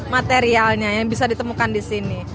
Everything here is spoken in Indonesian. materialnya yang bisa ditemukan di sini